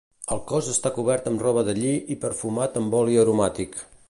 El cos està cobert amb roba de lli i perfumat amb oli aromàtic.